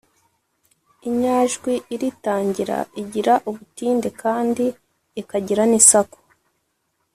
inyajwi iritangira igira ubutinde kandi ikagira n’isaku.